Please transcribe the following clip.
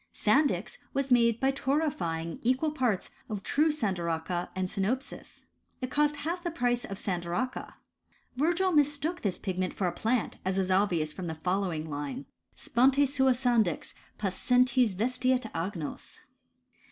Sandy X was made by torrefying equal parts of true sandaracha and sinopis. It cost half the price of san daracha. Virgil mistook this pigment for a plant, as is obvious from the following line : Sponte sua sandix, pascentes vestiet agnos.